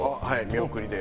見送りで？